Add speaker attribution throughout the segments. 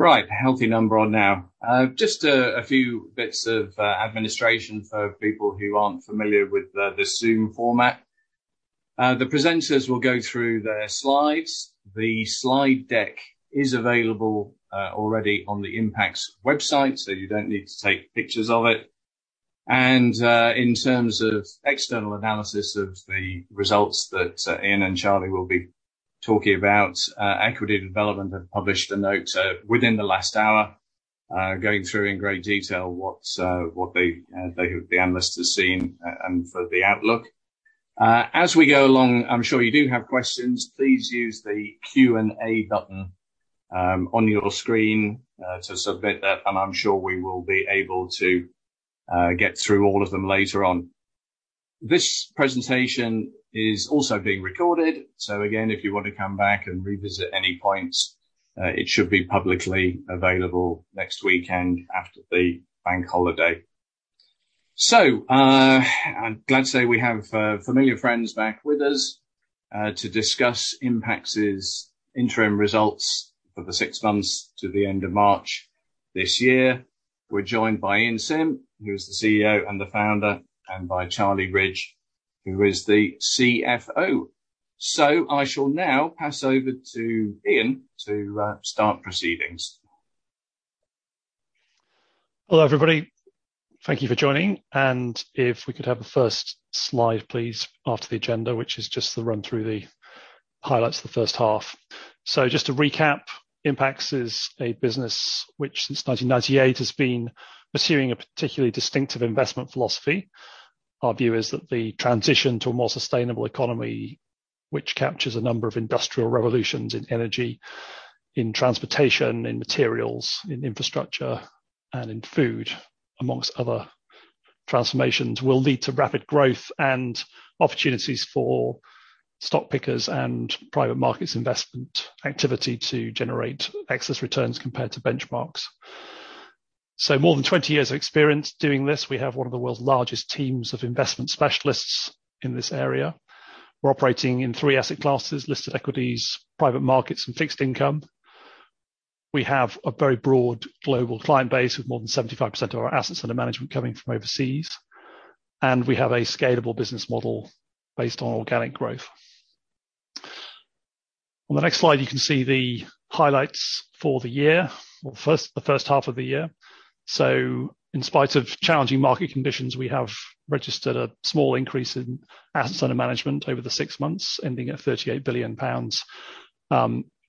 Speaker 1: Right. A healthy number on now. Just a few bits of administration for people who aren't familiar with the Zoom format. The presenters will go through their slides. The slide deck is available already on the Impax's website, so you don't need to take pictures of it. In terms of external analysis of the results that Ian and Charlie will be talking about, Equity Development have published a note within the last hour, going through in great detail what the analysts have seen and for the outlook. As we go along, I'm sure you do have questions. Please use the Q&A button on your screen to submit that, and I'm sure we will be able to get through all of them later on. This presentation is also being recorded, so again, if you want to come back and revisit any points, it should be publicly available next weekend after the bank holiday. I'm glad to say we have familiar friends back with us to discuss Impax's interim results for the six months to the end of March this year. We're joined by Ian Simm, who is the CEO and the founder, and by Charlie Ridge, who is the CFO. I shall now pass over to Ian to start proceedings.
Speaker 2: Hello, everybody. Thank you for joining. If we could have the first slide, please, after the agenda, which is just the run through the highlights of the first half. Just to recap, Impax is a business which since 1998 has been pursuing a particularly distinctive investment philosophy. Our view is that the transition to a more sustainable economy, which captures a number of industrial revolutions in energy, in transportation, in materials, in infrastructure, and in food, among other transformations, will lead to rapid growth and opportunities for stock pickers and private markets investment activity to generate excess returns compared to benchmarks. More than 20 years of experience doing this. We have one of the world's largest teams of investment specialists in this area. We're operating in three asset classes, Listed Equities, Private Markets, and Fixed Income. We have a very broad global client base, with more than 75% of our assets under management coming from overseas. We have a scalable business model based on organic growth. On the next slide, you can see the highlights for the first half of the year. In spite of challenging market conditions, we have registered a small increase in assets under management over the six months, ending at 38 billion pounds,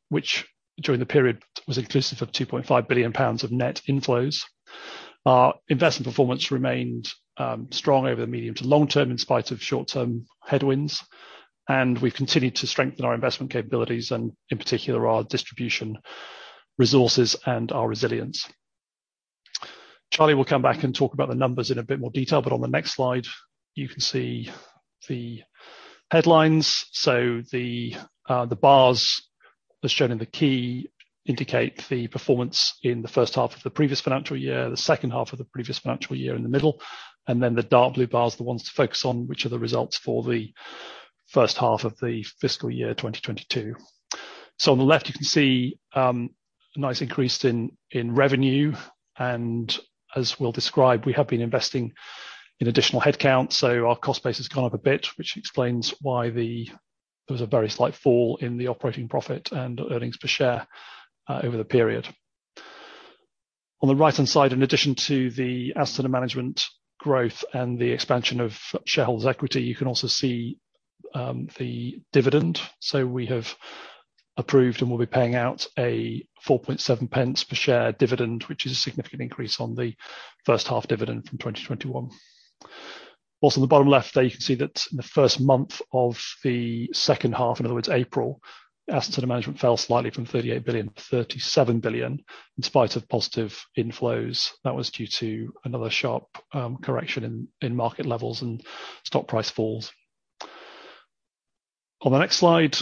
Speaker 2: which during the period was inclusive of 2.5 billion pounds of net inflows. Our investment performance remained strong over the medium to long term, in spite of short-term headwinds. We've continued to strengthen our investment capabilities and in particular, our distribution resources and our resilience. Charlie will come back and talk about the numbers in a bit more detail, but on the next slide you can see the headlines. The bars as shown in the key indicate the performance in the first half of the previous financial year, the second half of the previous financial year in the middle, and then the dark blue bars are the ones to focus on, which are the results for the first half of the fiscal year 2022. On the left, you can see a nice increase in revenue. As we'll describe, we have been investing in additional headcount, so our cost base has gone up a bit, which explains why there was a very slight fall in the operating profit and earnings per share over the period. On the right-hand side, in addition to the asset management growth and the expansion of shareholders' equity, you can also see the dividend. We have approved and will be paying out a 4.7 pence per share dividend, which is a significant increase on the first half dividend from 2021. Also, on the bottom left there, you can see that in the first month of the second half, in other words, April, assets under management fell slightly from 38 billion to 37 billion in spite of positive inflows. That was due to another sharp correction in market levels and stock price falls. On the next slide,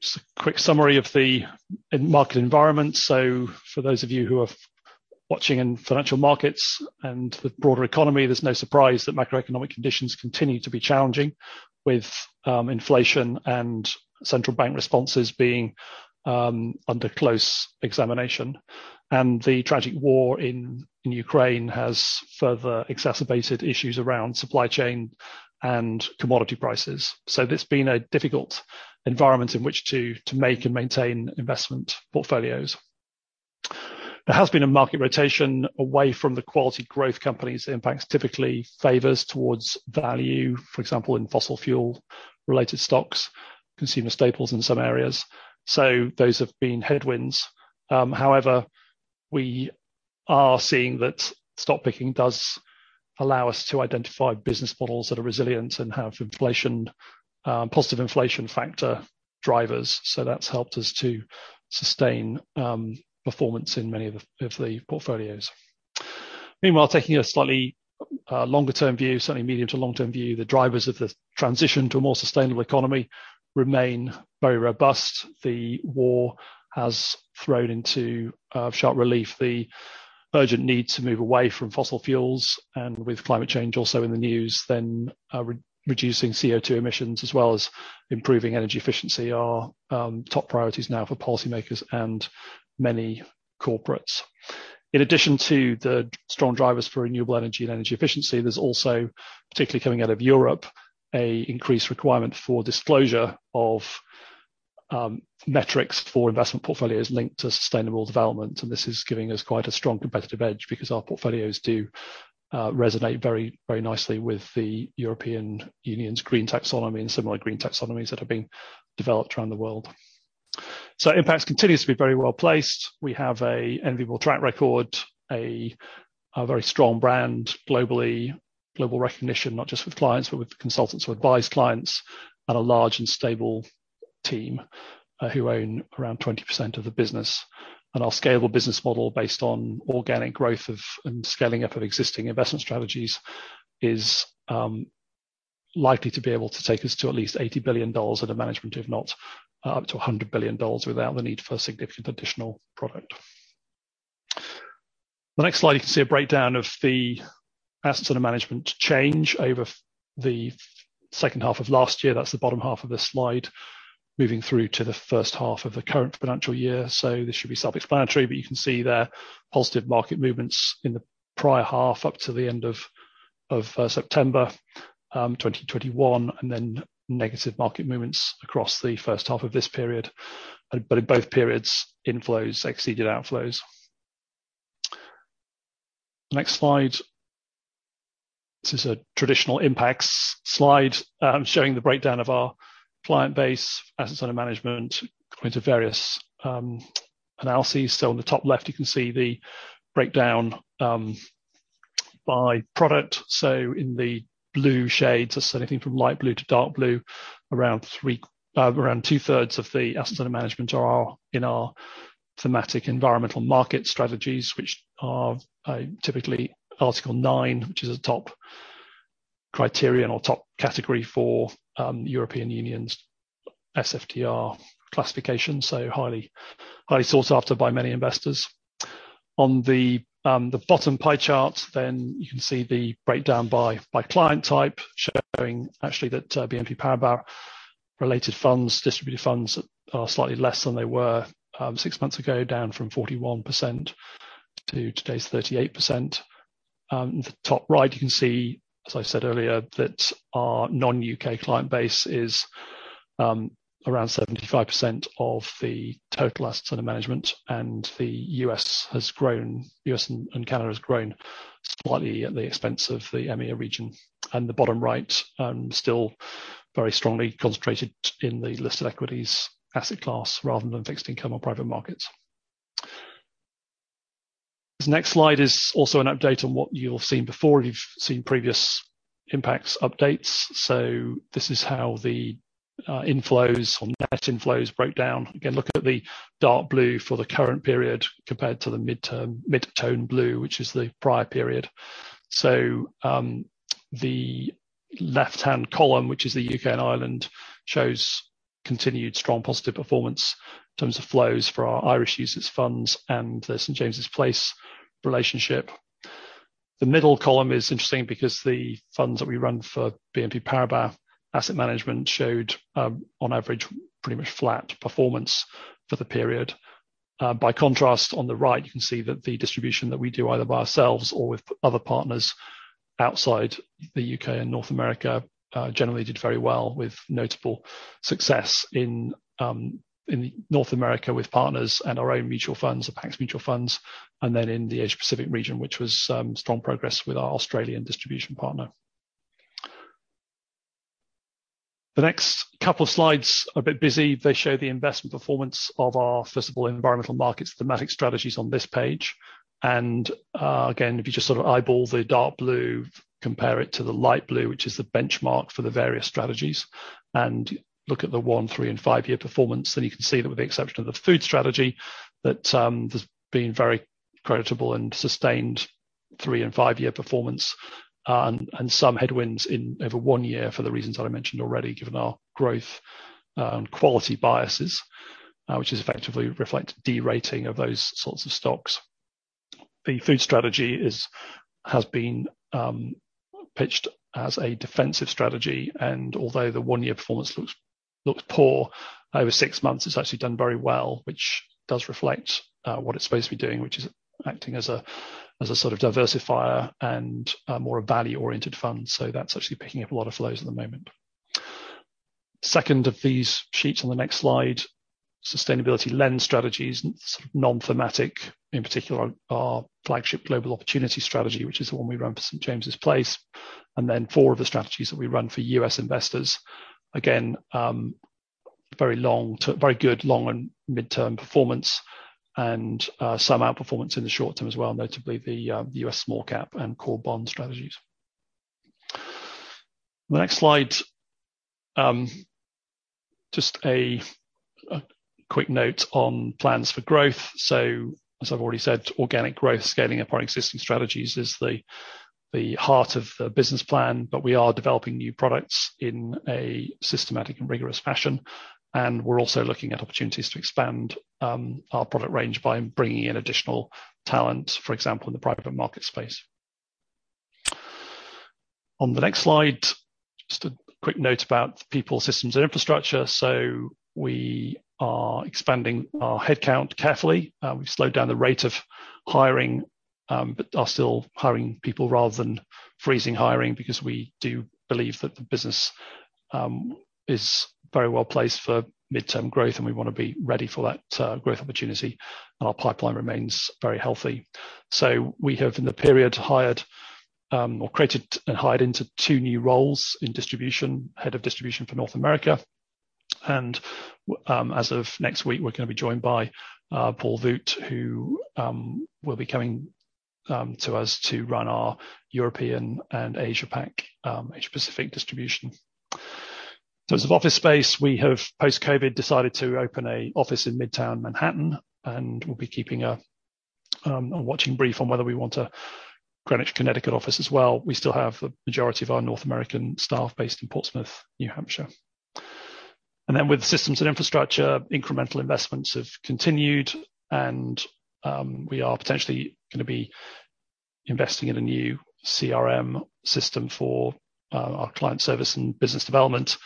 Speaker 2: just a quick summary of the market environment. For those of you who are watching in financial markets and the broader economy, there's no surprise that macroeconomic conditions continue to be challenging with inflation and central bank responses being under close examination. The tragic war in Ukraine has further exacerbated issues around supply chain and commodity prices. It's been a difficult environment in which to make and maintain investment portfolios. There has been a market rotation away from the quality growth companies. Impax typically favors towards value, for example, in fossil fuel-related stocks, consumer staples in some areas. Those have been headwinds. However, we are seeing that stock picking does allow us to identify business models that are resilient and have inflation positive inflation factor drivers. That's helped us to sustain performance in many of the portfolios. Meanwhile, taking a slightly longer term view, certainly medium to long term view, the drivers of the transition to a more sustainable economy remain very robust. The war has thrown into sharp relief the urgent need to move away from fossil fuels and with climate change also in the news, then, reducing CO₂ emissions as well as improving energy efficiency are top priorities now for policymakers and many corporates. In addition to the strong drivers for renewable energy and energy efficiency, there's also, particularly coming out of Europe, an increased requirement for disclosure of metrics for investment portfolios linked to sustainable development. This is giving us quite a strong competitive edge because our portfolios do resonate very, very nicely with the European Union's green taxonomy and similar green taxonomies that are being developed around the world. Impax continues to be very well-placed. We have an enviable track record, a very strong brand globally. Global recognition not just with clients, but with consultants who advise clients and a large and stable team, who own around 20% of the business. Our scalable business model, based on organic growth of and scaling up of existing investment strategies, is likely to be able to take us to at least $80 billion under management, if not up to $100 billion, without the need for significant additional product. The next slide, you can see a breakdown of the assets under management change over the second half of last year. That's the bottom half of the slide. Moving through to the first half of the current financial year, so this should be self-explanatory, but you can see the positive market movements in the prior half up to the end of September 2021, and then negative market movements across the first half of this period. In both periods, inflows exceeded outflows. Next slide. This is a traditional Impax slide, showing the breakdown of our client base assets under management according to various analyses. On the top left, you can see the breakdown by product. In the blue shades, that's anything from light blue to dark blue, around two-thirds of the assets under management are in our thematic environmental market strategies, which are typically Article 9, which is a top criterion or top category for European Union's SFDR classification. Highly sought after by many investors. On the bottom pie chart, you can see the breakdown by client type, showing actually that BNP Paribas related funds, distributed funds are slightly less than they were six months ago, down from 41% to today's 38%. The top right, you can see, as I said earlier, that our non-UK client base is around 75% of the total assets under management. The US and Canada has grown slightly at the expense of the EMEA region. The bottom right still very strongly concentrated in the listed equities asset class rather than fixed income or private markets. This next slide is also an update on what you'll have seen before if you've seen previous Impax's updates. This is how the inflows or net inflows break down. Again, look at the dark blue for the current period compared to the mid-term, mid-tone blue, which is the prior period. The left-hand column, which is the UK and Ireland, shows continued strong positive performance in terms of flows for our Irish UCITS funds and the St. James's Place relationship. The middle column is interesting because the funds that we run for BNP Paribas Asset Management showed, on average, pretty much flat performance for the period. By contrast, on the right, you can see that the distribution that we do, either by ourselves or with other partners outside the U.K. and North America, generally did very well with notable success in North America, with partners and our own mutual funds, the Pax World Funds, and then in the Asia-Pacific region, which was strong progress with our Australian distribution partner. The next couple of slides are a bit busy. They show the investment performance of our physical Environmental Markets thematic strategies on this page. Again, if you just sort of eyeball the dark blue, compare it to the light blue, which is the benchmark for the various strategies, and look at the one, three, and five-year performance, then you can see that with the exception of the food strategy, that there's been very creditable and sustained three and five-year performance, and some headwinds in over one year for the reasons that I mentioned already, given our growth, quality biases, which is effectively derating of those sorts of stocks. The food strategy has been pitched as a defensive strategy, and although the one-year performance looks poor, over six months, it's actually done very well, which does reflect what it's supposed to be doing, which is acting as a sort of diversifier and more a value-oriented fund. That's actually picking up a lot of flows at the moment. Second of these sheets on the next slide, sustainability lens strategies, sort of non-thematic, in particular our flagship Global Opportunities Strategy, which is the one we run for St. James's Place, and then four of the strategies that we run for US investors. Again, very good long and midterm performance and, some outperformance in the short term as well, notably the US small cap and core bond strategies. The next slide, just a quick note on plans for growth. As I've already said, organic growth, scaling up our existing strategies is the heart of the business plan, but we are developing new products in a systematic and rigorous fashion. We're also looking at opportunities to expand our product range by bringing in additional talent, for example, in the Private Markets space. On the next slide, just a quick note about people, systems, and infrastructure. We are expanding our headcount carefully. We've slowed down the rate of hiring, but are still hiring people rather than freezing hiring because we do believe that the business is very well placed for midterm growth, and we wanna be ready for that growth opportunity, and our pipeline remains very healthy. We have, in the period, hired or created and hired into two new roles in distribution, Head of Distribution for North America. As of next week, we're gonna be joined by Paul Voûte, who will be coming to us to run our European and Asia Pacific distribution. In terms of office space, we have, post-COVID, decided to open an office in Midtown Manhattan, and we'll be keeping a watching brief on whether we want a Greenwich, Connecticut office as well. We still have the majority of our North American staff based in Portsmouth, New Hampshire. With systems and infrastructure, incremental investments have continued and we are potentially gonna be investing in a new CRM system for our client service and business development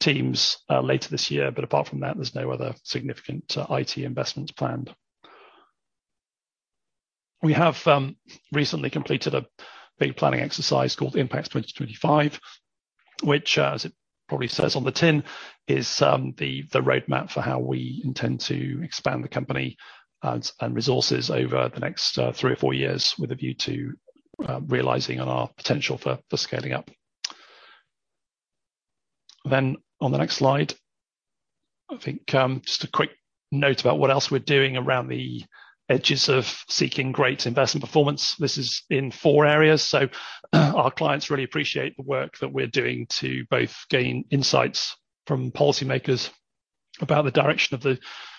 Speaker 2: teams later this year. Apart from that, there's no other significant IT investments planned. We have recently completed a big planning exercise called Impax 2025, which, as it probably says on the tin, is the roadmap for how we intend to expand the company and resources over the next three or four years with a view to realizing on our potential for scaling up. On the next slide, I think, just a quick note about what else we're doing around the edges of seeking great investment performance. This is in four areas. Our clients really appreciate the work that we're doing to both gain insights from policymakers about the direction of the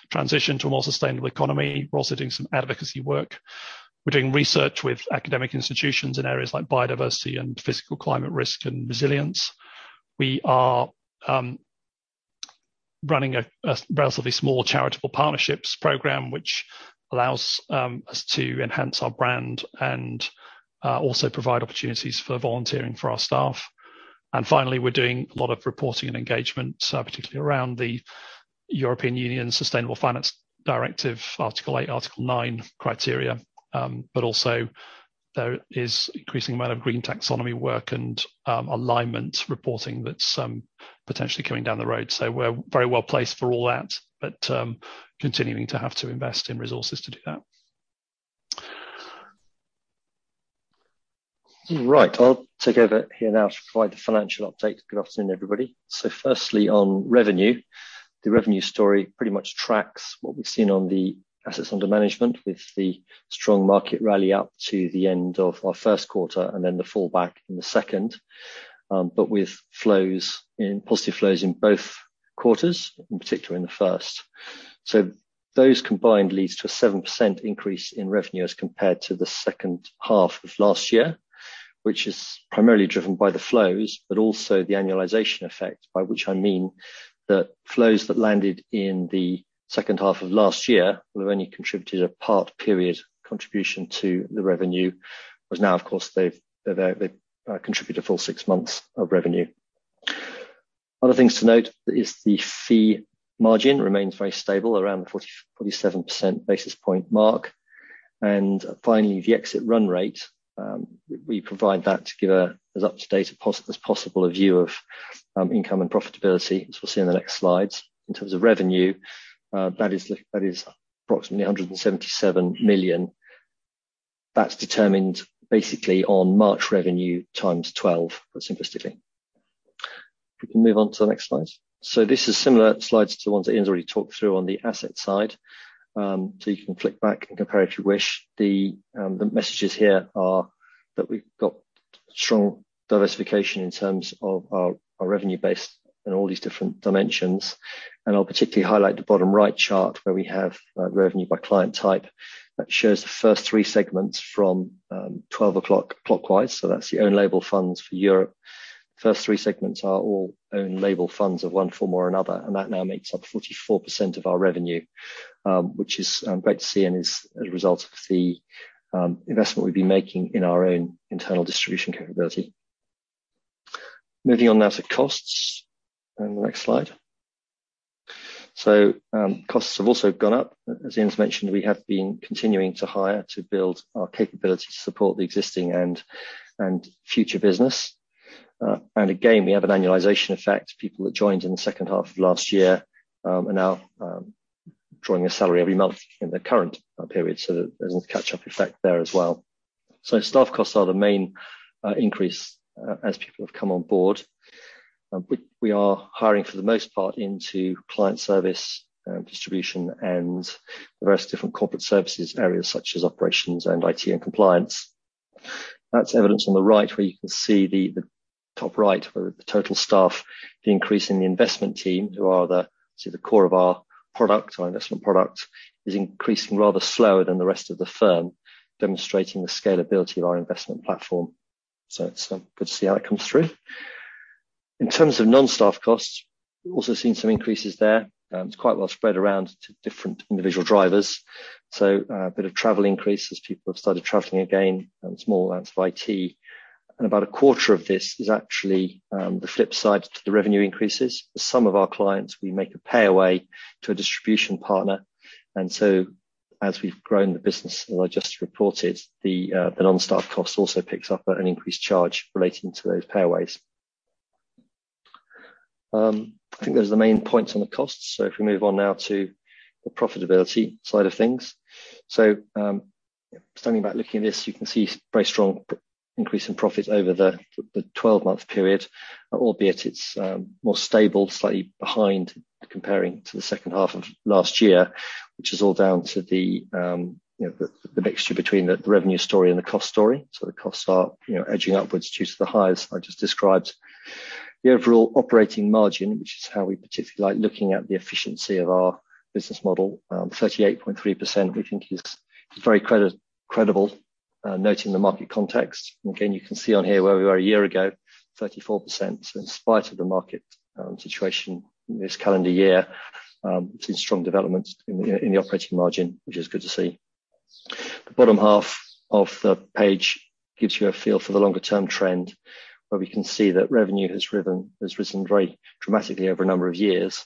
Speaker 2: transition to a more sustainable economy. We're also doing some advocacy work. We're doing research with academic institutions in areas like biodiversity and physical climate risk and resilience. We are running a relatively small charitable partnerships program, which allows us to enhance our brand and also provide opportunities for volunteering for our staff. Finally, we're doing a lot of reporting and engagement, particularly around the European Union Sustainable Finance Disclosure Regulation, Article 8, Article 9 criteria. Also there is increasing amount of green taxonomy work and alignment reporting that's potentially coming down the road. We're very well placed for all that, but continuing to have to invest in resources to do that.
Speaker 3: Right. I'll take over here now to provide the financial update. Good afternoon, everybody. Firstly, on revenue. The revenue story pretty much tracks what we've seen on the assets under management with the strong market rally up to the end of our first quarter and then the fall back in the second. With flows in, positive flows in both quarters, in particular in the first. Those combined leads to a 7% increase in revenue as compared to the second half of last year, which is primarily driven by the flows, but also the annualization effect, by which I mean the flows that landed in the second half of last year will have only contributed a part period contribution to the revenue, whereas now, of course, they've contributed a full six months of revenue. Other things to note is the fee margin remains very stable around the 40-47 basis point mark. Finally, the exit run rate, we provide that to give as up-to-date as possible a view of, income and profitability, as we'll see in the next slides. In terms of revenue, that is approximately 177 million. That's determined basically on March revenue times twelve, put simply. We can move on to the next slide. This is similar slides to the ones that Ian's already talked through on the asset side. You can flick back and compare if you wish. The messages here are that we've got strong diversification in terms of our revenue base in all these different dimensions. I'll particularly highlight the bottom right chart where we have revenue by client type. That shows the first three segments from twelve o'clock clockwise. That's your own label funds for Europe. First three segments are all own label funds of one form or another, and that now makes up 44% of our revenue, which is great to see and is a result of the investment we've been making in our own internal distribution capability. Moving on now to costs. The next slide. Costs have also gone up. As Ian's mentioned, we have been continuing to hire to build our capability to support the existing and future business. Again, we have an annualization effect. People that joined in the second half of last year are now drawing a salary every month in the current period, so there's a catch-up effect there as well. Staff costs are the main increase as people have come on board. We are hiring for the most part into client service and distribution and the various different corporate services areas such as operations and IT and compliance. That's evidenced on the right where you can see the top right where the total staff, the increase in the investment team, who are sort of the core of our product, our investment product, is increasing rather slower than the rest of the firm, demonstrating the scalability of our investment platform. It's good to see how it comes through. In terms of non-staff costs, we've also seen some increases there. It's quite well spread around to different individual drivers. A bit of travel increase as people have started traveling again and small amounts of IT, and about a quarter of this is actually the flip side to the revenue increases. For some of our clients, we make a pay away to a distribution partner, and so as we've grown the business, as I just reported, the non-staff cost also picks up an increased charge relating to those pay aways. I think those are the main points on the costs. If we move on now to the profitability side of things. Standing back looking at this, you can see very strong increase in profit over the 12-month period, albeit it's more stable, slightly behind comparing to the second half of last year, which is all down to the you know, the mixture between the revenue story and the cost story. The costs are you know, edging upwards due to the hires I just described. The overall operating margin, which is how we particularly like looking at the efficiency of our business model, 38.3% we think is very credible, noting the market context. Again, you can see on here where we were a year ago, 34% in spite of the market situation this calendar year, we've seen strong developments in the operating margin which is good to see. The bottom half of the page gives you a feel for the longer term trend, where we can see that revenue has risen very dramatically over a number of years.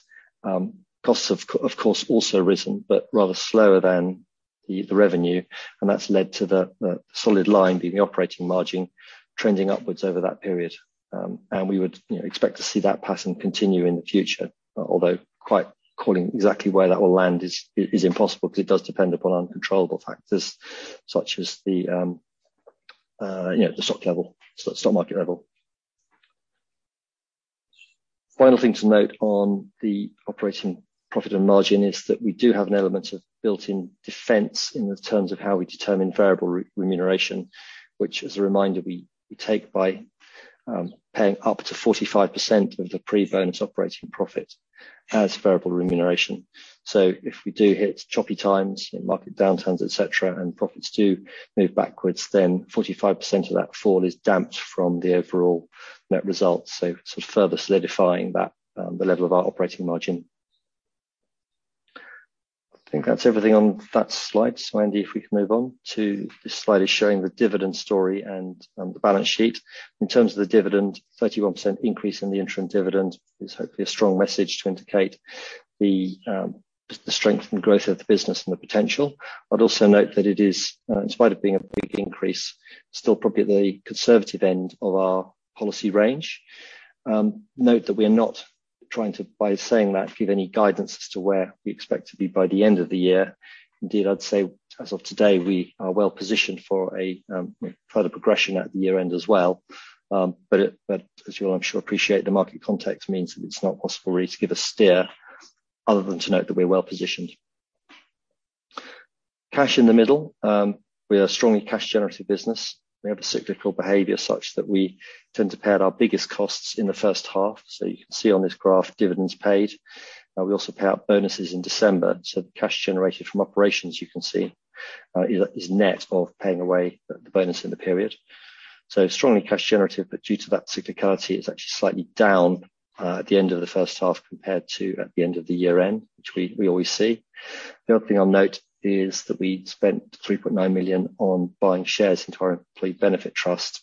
Speaker 3: Costs have, of course, also risen, but rather slower than the revenue, and that's led to the solid line being the operating margin trending upwards over that period. We would, you know, expect to see that pattern continue in the future, although calling exactly where that will land is impossible because it does depend upon uncontrollable factors such as the stock market level. Final thing to note on the operating profit and margin is that we do have an element of built-in defense in terms of how we determine variable remuneration, which as a reminder, we take by paying up to 45% of the pre-bonus operating profit as variable remuneration. If we do hit choppy times, you know, market downturns, et cetera, and profits do move backwards, then 45% of that fall is dampened from the overall net results. Sort of further solidifying that, the level of our operating margin. I think that's everything on that slide. Andy, if we can move on. This slide is showing the dividend story and, the balance sheet. In terms of the dividend, 31% increase in the interim dividend is hopefully a strong message to indicate the strength and growth of the business and the potential. I'd also note that it is in spite of being a big increase, still probably at the conservative end of our policy range. Note that we are not trying to, by saying that, give any guidance as to where we expect to be by the end of the year. Indeed, I'd say as of today, we are well positioned for a you know, further progression at the year end as well. As you all, I'm sure, appreciate the market context means that it's not possible for me to give a steer other than to note that we're well positioned. Cash in the middle. We are a strongly cash generative business. We have a cyclical behavior such that we tend to pay out our biggest costs in the first half. You can see on this graph dividends paid. We also pay out bonuses in December, so the cash generated from operations you can see is net of paying away the bonus in the period. Strongly cash generative, but due to that cyclicality, it's actually slightly down at the end of the first half compared to at the end of the year end, which we always see. The other thing I'll note is that we spent 3.9 million on buying shares into our employee benefit trust,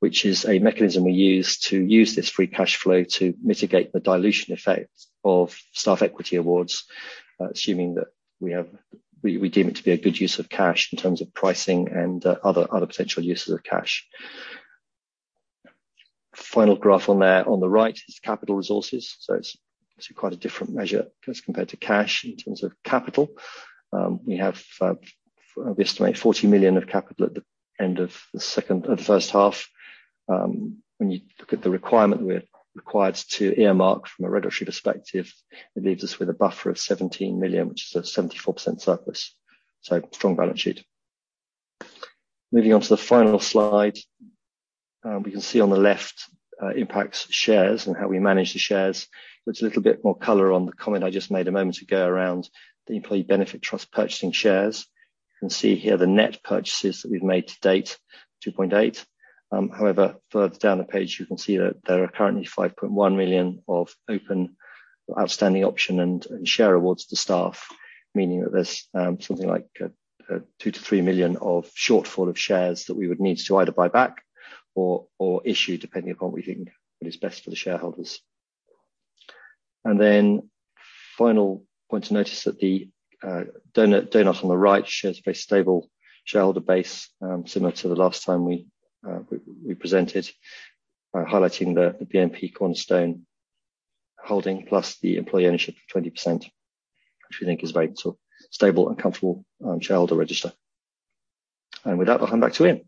Speaker 3: which is a mechanism we use to use this free cash flow to mitigate the dilution effect of staff equity awards. Assuming that we have... We deem it to be a good use of cash in terms of pricing and other potential uses of cash. Final graph on there on the right is capital resources, so it's quite a different measure as compared to cash in terms of capital. We estimate 40 million of capital at the end of the second or the first half. When you look at the requirement we're required to earmark from a regulatory perspective, it leaves us with a buffer of 17 million, which is a 74% surplus. Strong balance sheet. Moving on to the final slide. We can see on the left, Impax's shares and how we manage the shares. It's a little bit more color on the comment I just made a moment ago around the employee benefit trust purchasing shares. You can see here the net purchases that we've made to date, 2.8. However, further down the page, you can see that there are currently 5.1 million of open outstanding option and share awards to staff, meaning that there's something like two-three million of shortfall of shares that we would need to either buy back or issue, depending upon what we think is best for the shareholders. Then final point to notice that the donut on the right shows a very stable shareholder base, similar to the last time we presented by highlighting the BNP cornerstone holding plus the employee ownership of 20%, which we think is very sort of stable and comfortable shareholder register. With that, I'll hand back to Ian.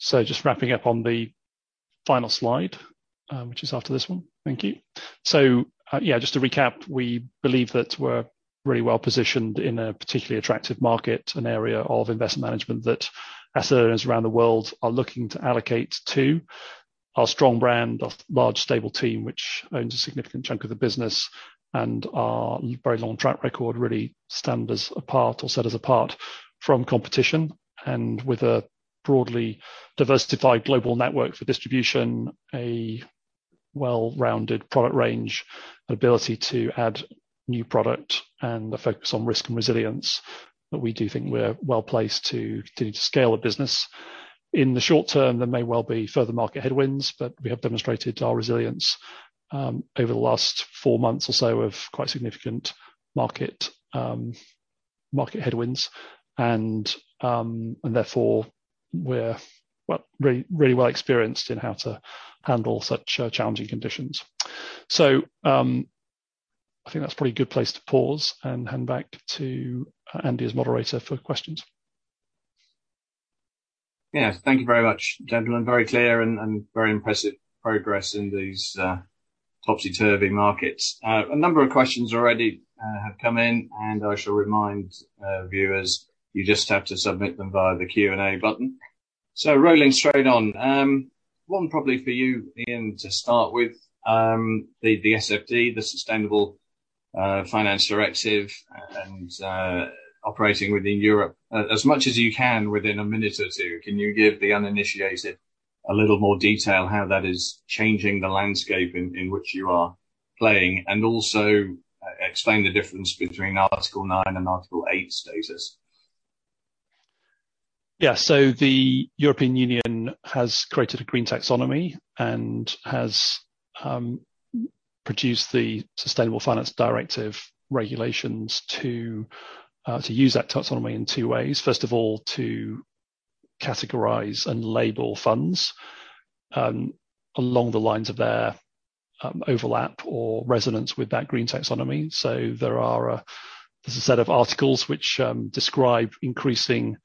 Speaker 2: Just wrapping up on the final slide, which is after this one. Thank you. Yeah, just to recap, we believe that we're really well-positioned in a particularly attractive market, an area of investment management that asset owners around the world are looking to allocate to. Our strong brand, our large stable team which owns a significant chunk of the business, and our very long track record really stand us apart or set us apart from competition. With a broadly diversified global network for distribution, a well-rounded product range, ability to add new product, and a focus on risk and resilience, we do think we're well-placed to continue to scale the business. In the short term, there may well be further market headwinds, but we have demonstrated our resilience over the last four months or so of quite significant market headwinds and therefore we're really well experienced in how to handle such challenging conditions. I think that's probably a good place to pause and hand back to Andy as moderator for questions.
Speaker 1: Yeah. Thank you very much, gentlemen. Very clear and very impressive progress in these topsy-turvy markets. A number of questions already have come in, and I shall remind viewers, you just have to submit them via the Q&A button. Rolling straight on, one probably for you, Ian, to start with. The SFDR, the Sustainable Finance Disclosure Regulation and operating within Europe, as much as you can within a minute or two, can you give the uninitiated a little more detail how that is changing the landscape in which you are playing? Also explain the difference between Article 9 and Article 8 status.
Speaker 2: Yeah. The European Union has created a green taxonomy and has produced the Sustainable Finance Disclosure Regulation to use that taxonomy in two ways. First of all, to categorize and label funds along the lines of their overlap or resonance with that green taxonomy. There's a set of articles which describe increasing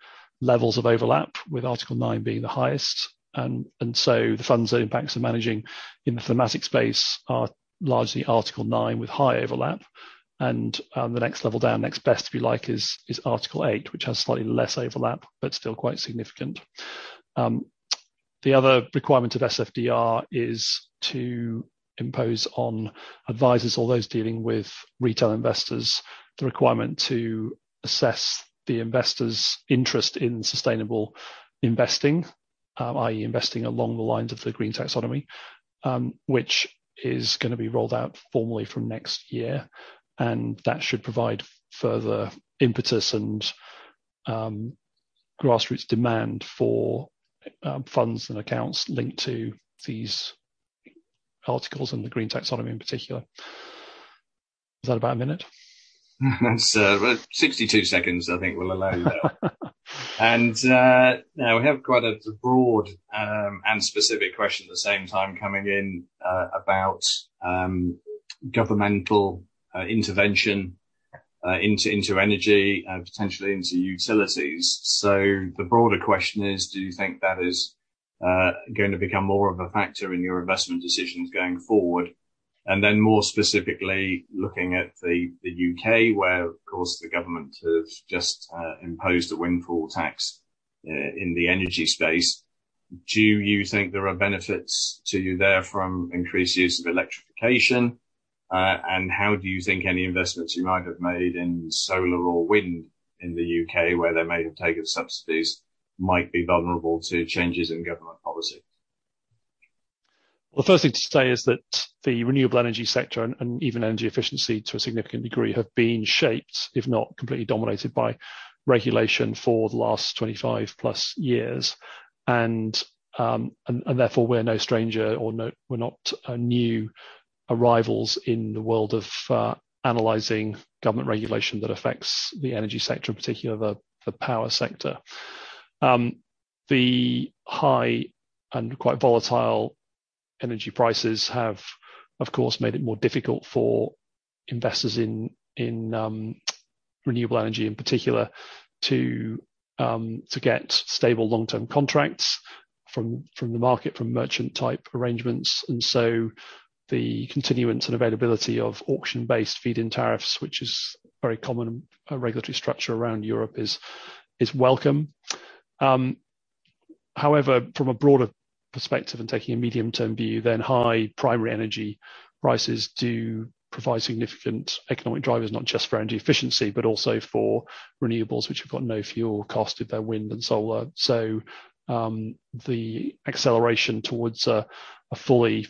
Speaker 2: levels of overlap, with Article nine being the highest. The funds that Impax is managing in the thematic space are largely Article nine with high overlap. The next level down, next best, if you like, is Article 8, which has slightly less overlap, but still quite significant. The other requirement of SFDR is to impose on advisors or those dealing with retail investors, the requirement to assess the investor's interest in sustainable investing, i.e., investing along the lines of the green taxonomy, which is gonna be rolled out formally from next year, and that should provide further impetus and, grassroots demand for, funds and accounts linked to these articles and the green taxonomy in particular. Is that about a minute?
Speaker 1: That's 62 seconds I think we'll allow there. Now we have quite a broad and specific question at the same time coming in about governmental intervention into energy and potentially into utilities. The broader question is, do you think that is going to become more of a factor in your investment decisions going forward? Then more specifically, looking at the U.K. where, of course, the government have just imposed a windfall tax in the energy space, do you think there are benefits to you there from increased use of electrification? And how do you think any investments you might have made in solar or wind in the U.K., where they may have taken subsidies, might be vulnerable to changes in government policy?
Speaker 2: The first thing to say is that the renewable energy sector and even energy efficiency to a significant degree have been shaped, if not completely dominated, by regulation for the last 25+ years. Therefore we're no stranger or no, we're not new arrivals in the world of analyzing government regulation that affects the energy sector, in particular the power sector. The high and quite volatile energy prices have, of course, made it more difficult for investors in renewable energy in particular, to get stable long-term contracts from the market, from merchant type arrangements. The continuance and availability of auction-based feed-in tariffs, which is very common regulatory structure around Europe is welcome. However, from a broader perspective and taking a medium-term view, then high primary energy prices do provide significant economic drivers, not just for energy efficiency, but also for renewables, which have got no fuel cost with their wind and solar. The acceleration towards a fully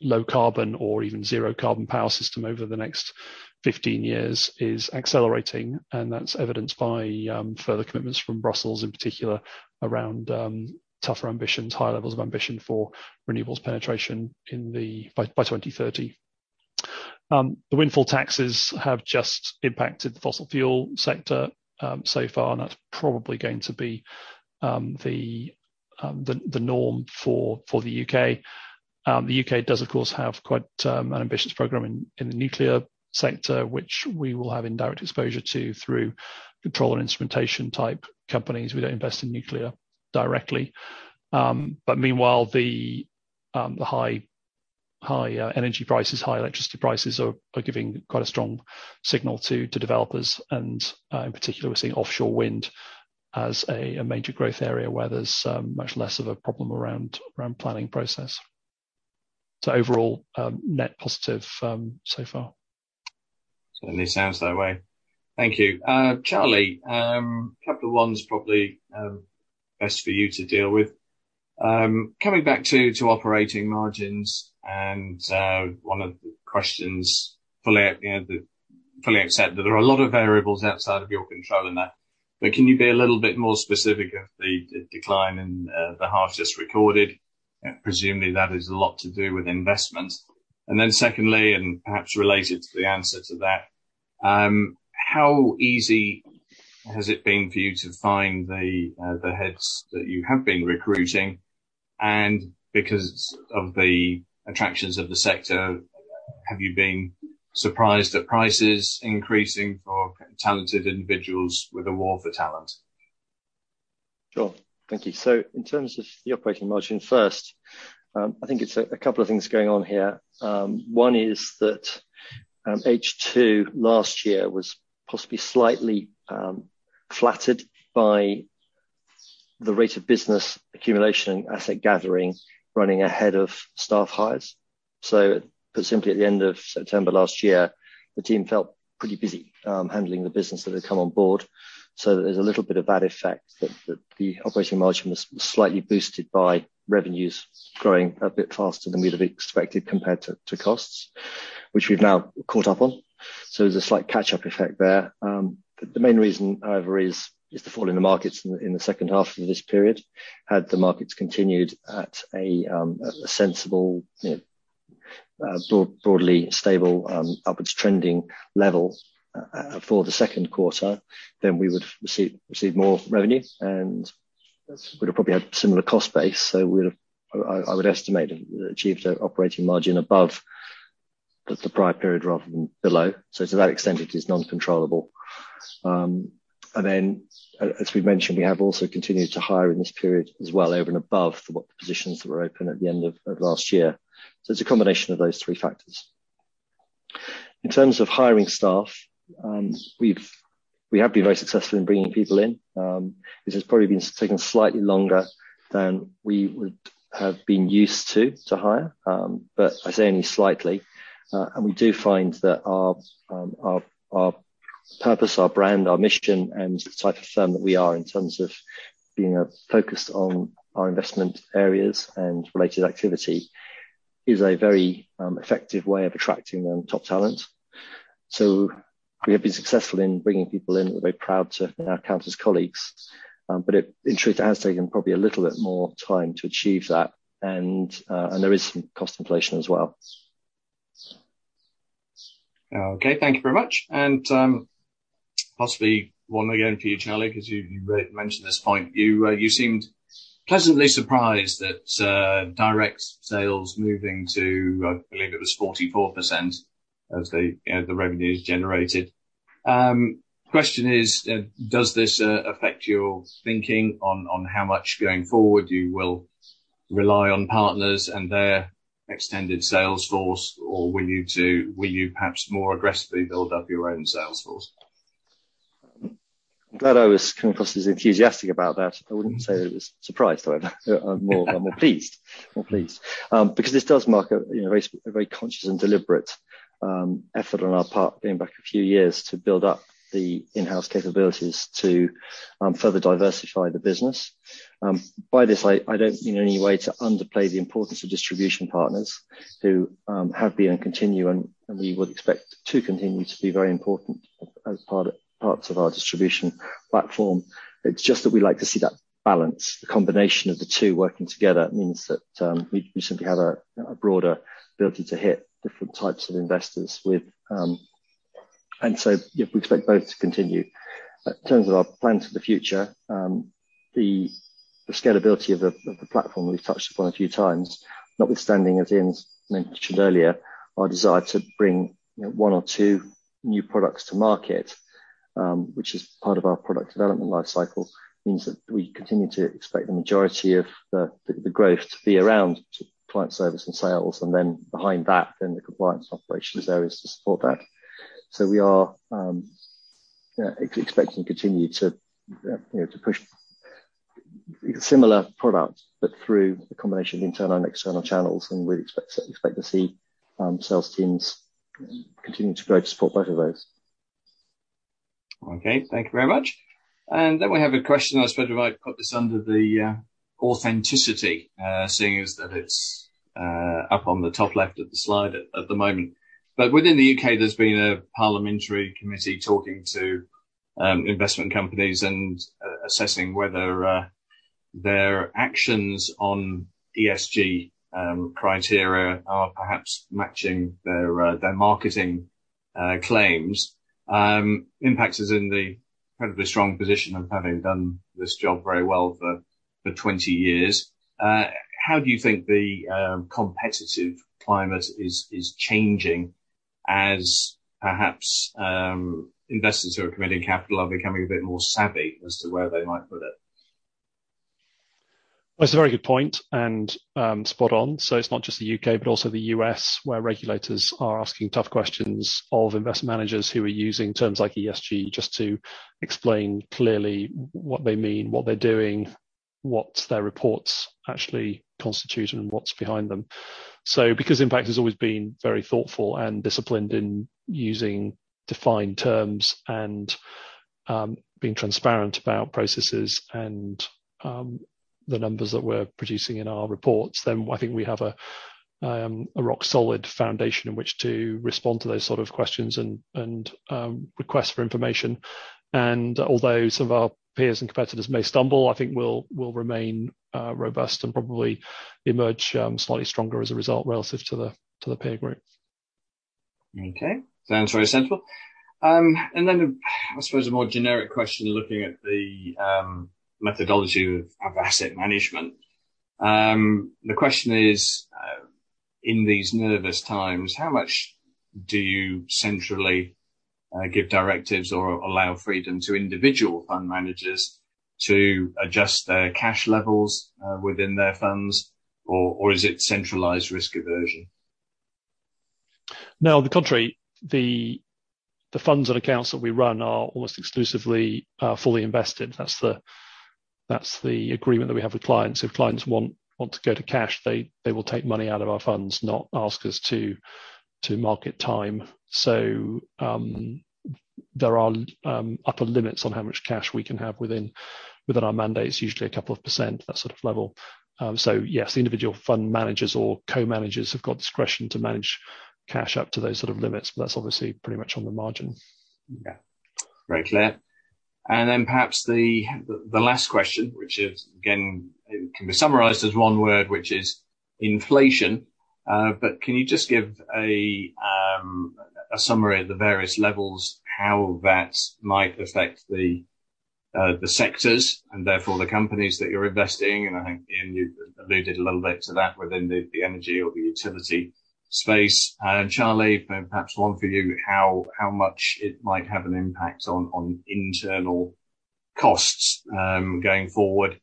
Speaker 2: low carbon or even zero carbon power system over the next 15 years is accelerating, and that's evidenced by further commitments from Brussels, in particular around tougher ambitions, higher levels of ambition for renewables penetration by 2030. The windfall taxes have just impacted the fossil fuel sector so far, and that's probably going to be the norm for the U.K. The UK does of course have quite an ambitious program in the nuclear sector, which we will have indirect exposure to through control and instrumentation type companies. We don't invest in nuclear directly. Meanwhile, the high energy prices, high electricity prices are giving quite a strong signal to developers and in particular, we're seeing offshore wind as a major growth area where there's much less of a problem around planning process. Overall, net positive so far.
Speaker 1: Certainly sounds that way. Thank you. Charlie, capital one's probably best for you to deal with. Coming back to operating margins and one of the questions fully, you know, fully accept that there are a lot of variables outside of your control in that. Can you be a little bit more specific of the decline in the half just recorded? Presumably that is a lot to do with investments. Then secondly, and perhaps related to the answer to that, how easy has it been for you to find the heads that you have been recruiting? Because of the attractions of the sector, have you been surprised at prices increasing for talented individuals with a war for talent?
Speaker 3: Sure. Thank you. In terms of the operating margin first, I think it's a couple of things going on here. One is that H2 last year was possibly slightly flattered by the rate of business accumulation and asset gathering running ahead of staff hires. Put simply, at the end of September last year, the team felt pretty busy handling the business that had come on board. There's a little bit of that effect that the operating margin was slightly boosted by revenues growing a bit faster than we'd have expected compared to costs, which we've now caught up on. There's a slight catch-up effect there. But the main reason, however, is the fall in the markets in the second half of this period. Had the markets continued at a sensible, you know, broadly stable, upwards trending level for the second quarter, then we would've received more revenue, and would've probably had similar cost base. We would've, I would estimate, achieved an operating margin above the prior period rather than below. To that extent, it is non-controllable. As we mentioned, we have also continued to hire in this period as well over and above for what the positions that were open at the end of last year. It's a combination of those three factors. In terms of hiring staff, we have been very successful in bringing people in. It has probably been taking slightly longer than we would have been used to to hire. I say only slightly. We do find that our purpose, our brand, our mission, and the type of firm that we are in terms of being focused on our investment areas and related activity, is a very effective way of attracting top talent. We have been successful in bringing people in that we're very proud to now count as colleagues. It in truth has taken probably a little bit more time to achieve that and there is some cost inflation as well.
Speaker 1: Okay. Thank you very much. Possibly one again for you, Charlie, 'cause you mentioned this point. You seemed pleasantly surprised that direct sales moving to, I believe it was 44% as the revenue is generated. Question is, does this affect your thinking on how much going forward you will rely on partners and their extended sales force? Or will you perhaps more aggressively build up your own sales force?
Speaker 3: I'm glad I was coming across as enthusiastic about that. I wouldn't say that it was a surprise, however. I'm more pleased. Because this does mark a, you know, very conscious and deliberate effort on our part, going back a few years, to build up the in-house capabilities to further diversify the business. By this, I don't mean in any way to underplay the importance of distribution partners who have been and continue and we would expect to continue to be very important as parts of our distribution platform. It's just that we like to see that balance. The combination of the two working together means that we simply have a broader ability to hit different types of investors with. Yeah, we expect both to continue. In terms of our plans for the future, the scalability of the platform we've touched upon a few times, notwithstanding, as Ian's mentioned earlier, our desire to bring, you know, one or two new products to market, which is part of our product development life cycle, means that we continue to expect the majority of the growth to be around client service and sales, and then behind that, the compliance and operations areas to support that. We are expecting to continue to, you know, to push similar products, but through the combination of internal and external channels, and we'd expect to see sales teams continue to grow to support both of those.
Speaker 1: Okay. Thank you very much. Then we have a question, I suppose if I put this under the authenticity, seeing as that it's up on the top left of the slide at the moment. Within the U.K., there's been a parliamentary committee talking to investment companies and assessing whether their actions on ESG criteria are perhaps matching their marketing claims. Impax is in the incredibly strong position of having done this job very well for 20 years. How do you think the competitive climate is changing as perhaps investors who are committing capital are becoming a bit more savvy as to where they might put it?
Speaker 2: That's a very good point, and spot on. It's not just the U.K., but also the U.S., where regulators are asking tough questions of investment managers who are using terms like ESG just to explain clearly what they mean, what they're doing, what their reports actually constitute, and what's behind them. Because Impax has always been very thoughtful and disciplined in using defined terms and being transparent about processes and the numbers that we're producing in our reports, then I think we have a rock solid foundation in which to respond to those sort of questions and requests for information. Although some of our peers and competitors may stumble, I think we'll remain robust and probably emerge slightly stronger as a result relative to the peer group.
Speaker 1: Okay. Sounds very sensible. I suppose a more generic question, looking at the methodology of asset management. The question is, in these nervous times, how much do you centrally give directives or allow freedom to individual fund managers to adjust their cash levels within their funds or is it centralized risk aversion?
Speaker 2: No, on the contrary, the funds and accounts that we run are almost exclusively fully invested. That's the agreement that we have with clients. If clients want to go to cash, they will take money out of our funds, not ask us to market time. There are upper limits on how much cash we can have within our mandates, usually a couple of percent, that sort of level. Yes, the individual fund managers or co-managers have got discretion to manage cash up to those sort of limits, but that's obviously pretty much on the margin.
Speaker 1: Yeah. Very clear. Perhaps the last question, which can be summarized as one word, which is inflation. But can you just give a summary of the various levels, how that might affect the sectors and therefore the companies that you're investing in? I think, Ian, you alluded a little bit to that within the energy or the utility space. Charlie, perhaps one for you, how much it might have an impact on internal costs going forward.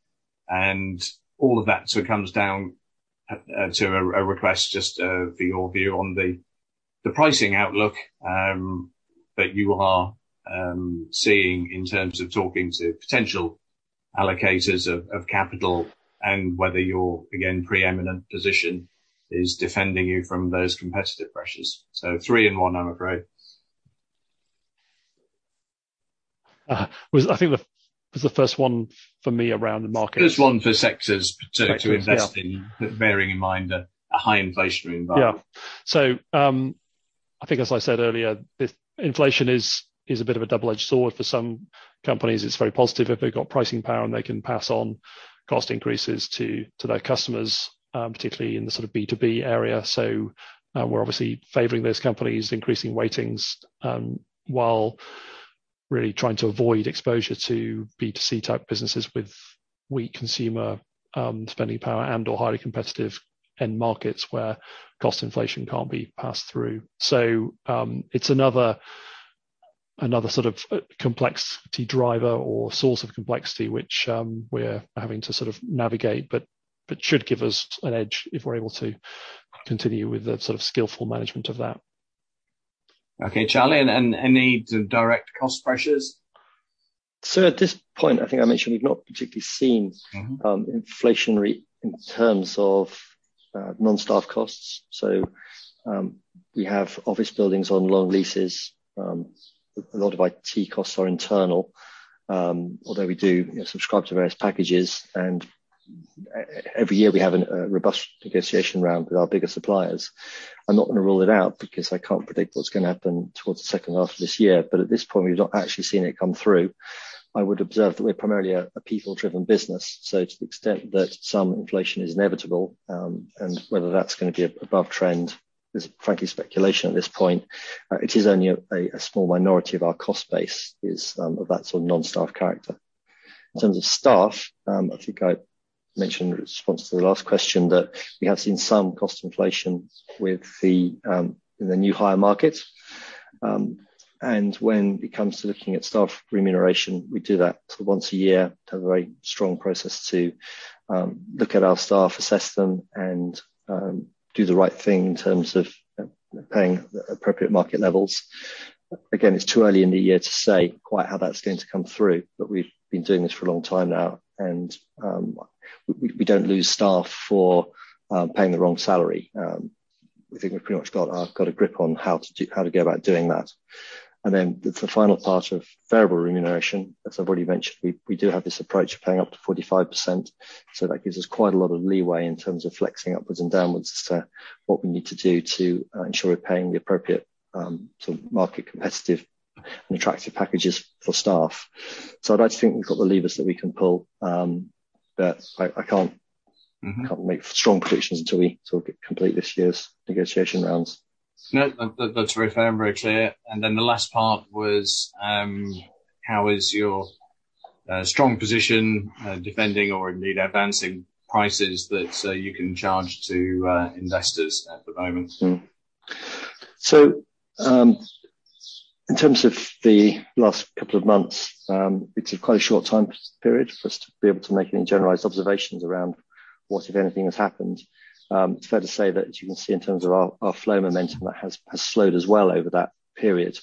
Speaker 1: All of that sort of comes down to a request just for your view on the pricing outlook that you are seeing in terms of talking to potential allocators of capital and whether your preeminent position is defending you from those competitive pressures. Three in one, I'm afraid.
Speaker 2: I think the first one for me was around the market.
Speaker 1: First one for sectors to invest in, but bearing in mind a high inflationary environment.
Speaker 2: Yeah. I think as I said earlier, if inflation is a bit of a double-edged sword for some companies, it's very positive if they've got pricing power and they can pass on cost increases to their customers, particularly in the sort of B2B area. We're obviously favoring those companies, increasing weightings, while really trying to avoid exposure to B2C type businesses with weak consumer spending power and/or highly competitive end markets where cost inflation can't be passed through. It's another sort of complexity driver or source of complexity which we're having to sort of navigate, but should give us an edge if we're able to continue with the sort of skillful management of that.
Speaker 1: Okay. Charlie, and any direct cost pressures?
Speaker 3: At this point, I think I mentioned we've not particularly seen.
Speaker 1: Mm-hmm.
Speaker 3: Inflationary in terms of non-staff costs. We have office buildings on long leases. A lot of IT costs are internal, although we do subscribe to various packages and every year we have a robust negotiation round with our bigger suppliers. I'm not gonna rule it out because I can't predict what's gonna happen towards the second half of this year, but at this point, we've not actually seen it come through. I would observe that we're primarily a people-driven business, so to the extent that some inflation is inevitable, and whether that's gonna be above trend is frankly speculation at this point. It is only a small minority of our cost base is of that sort of non-staff character. In terms of staff, I think I mentioned in response to the last question that we have seen some cost inflation with the new hire market. When it comes to looking at staff remuneration, we do that once a year through a very strong process to look at our staff, assess them and do the right thing in terms of paying the appropriate market levels. Again, it's too early in the year to say quite how that's going to come through, but we've been doing this for a long time now, and we don't lose staff for paying the wrong salary. I think we've pretty much got a grip on how to go about doing that. The final part of variable remuneration, as I've already mentioned, we do have this approach of paying up to 45%, so that gives us quite a lot of leeway in terms of flexing upwards and downwards as to what we need to do to ensure we're paying the appropriate sort of market competitive and attractive packages for staff. I'd like to think we've got the levers that we can pull, but I can't make strong predictions until we sort of complete this year's negotiation rounds.
Speaker 1: No, that's very fair and very clear. The last part was, how is your strong position defending or indeed advancing prices that you can charge to investors at the moment?
Speaker 3: In terms of the last couple of months, it's a quite a short time period for us to be able to make any generalized observations around what if anything has happened. It's fair to say that as you can see in terms of our flow momentum that has slowed as well over that period.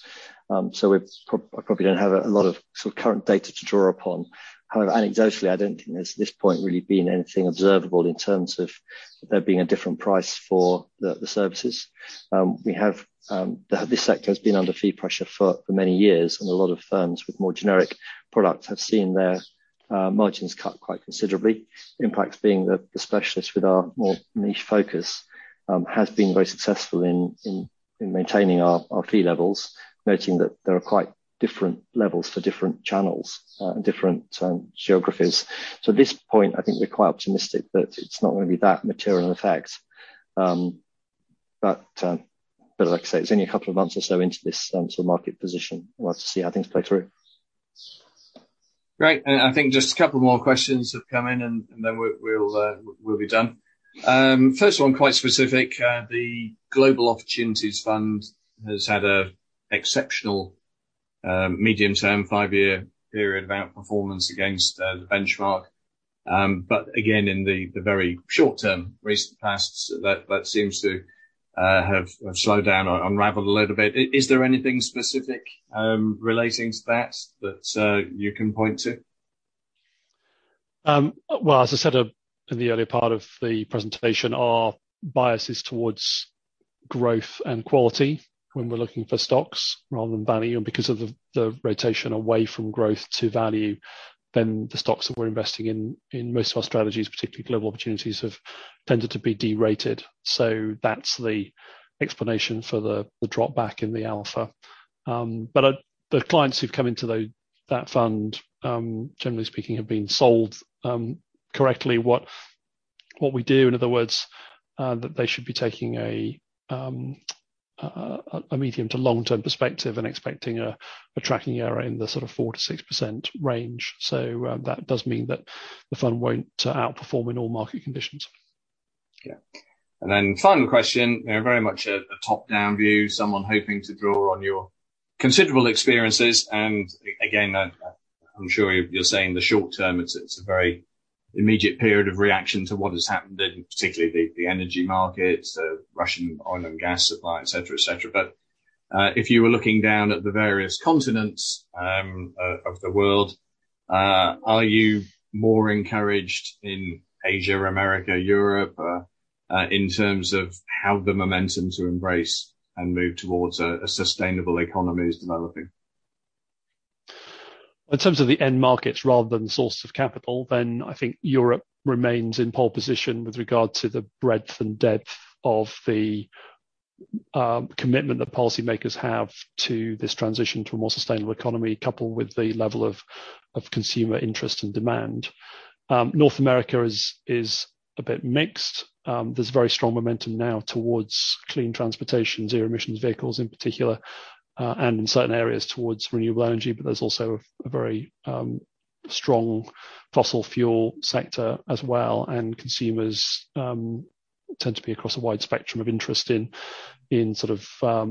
Speaker 3: We're probably don't have a lot of sort of current data to draw upon. However, anecdotally, I don't think there's at this point really been anything observable in terms of there being a different price for the services. We have the. This sector's been under fee pressure for many years, and a lot of firms with more generic products have seen their margins cut quite considerably. Impax being the specialist with our more niche focus has been very successful in maintaining our fee levels, noting that there are quite different levels for different channels and different geographies. At this point, I think we're quite optimistic that it's not gonna be that material effect. But like I say, it's only a couple of months or so into this sort of market position. We'll have to see how things play through.
Speaker 1: Great. I think just a couple more questions have come in and then we'll be done. First one quite specific. The Global Opportunities Fund has had an exceptional medium-term, five-year period of outperformance against the benchmark. Again, in the very short-term recent past, that seems to have slowed down or unraveled a little bit. Is there anything specific relating to that you can point to?
Speaker 2: Well, as I said earlier in the earlier part of the presentation, our bias is towards growth and quality when we're looking for stocks rather than value. Because of the rotation away from growth to value, the stocks that we're investing in most of our strategies, particularly Global Opportunities, have tended to be derated. That's the explanation for the drop back in the alpha. But the clients who've come into that fund, generally speaking, have been sold correctly what we do, in other words, that they should be taking a medium to long-term perspective and expecting a tracking error in the sort of 4%-6% range. That does mean that the fund won't outperform in all market conditions.
Speaker 1: Yeah. Then final question, you know, very much a top-down view. Someone hoping to draw on your considerable experiences, again, I'm sure you're saying the short term, it's a very immediate period of reaction to what has happened in particularly the energy markets, the Russian oil and gas supply, et cetera. If you were looking down at the various continents of the world, are you more encouraged in Asia or America, Europe, in terms of how the momentum to embrace and move towards a sustainable economy is developing?
Speaker 2: In terms of the end markets rather than source of capital, then I think Europe remains in pole position with regard to the breadth and depth of the commitment that policymakers have to this transition to a more sustainable economy, coupled with the level of consumer interest and demand. North America is a bit mixed. There's very strong momentum now towards clean transportation, zero emissions vehicles in particular, and in certain areas towards renewable energy, but there's also a very strong fossil fuel sector as well. Consumers tend to be across a wide spectrum of interest in sort of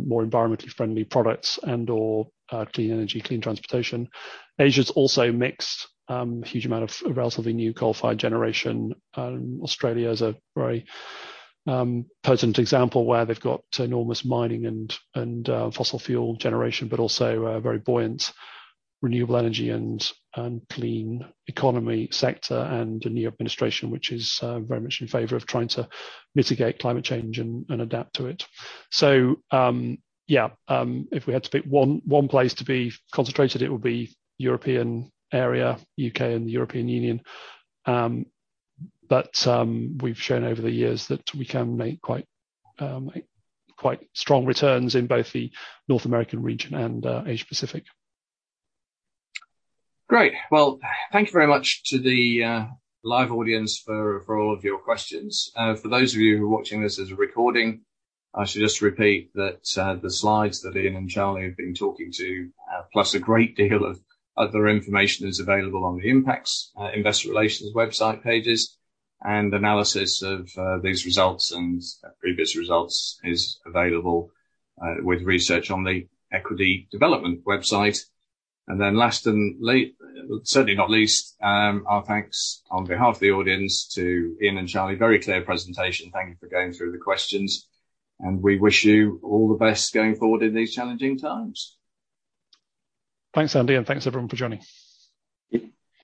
Speaker 2: more environmentally friendly products and/or clean energy, clean transportation. Asia's also mixed. A huge amount of relatively new coal-fired generation. Australia is a very potent example where they've got enormous mining and fossil fuel generation, but also a very buoyant renewable energy and clean economy sector, and a new administration, which is very much in favor of trying to mitigate climate change and adapt to it. If we had to pick one place to be concentrated, it would be European area, U.K. and the European Union. We've shown over the years that we can make quite strong returns in both the North American region and Asia Pacific.
Speaker 1: Great. Well, thank you very much to the live audience for all of your questions. For those of you who are watching this as a recording, I should just repeat that the slides that Ian and Charlie have been talking to plus a great deal of other information is available on the Impax's Investor Relations website pages. Analysis of these results and previous results is available with research on the Equity Development website. Last and certainly not least, our thanks on behalf of the audience to Ian and Charlie. Very clear presentation. Thank you for going through the questions, and we wish you all the best going forward in these challenging times.
Speaker 2: Thanks, Andy, and thanks everyone for joining.
Speaker 3: Yep.